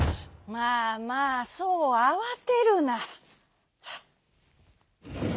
「まあまあそうあわてるな」。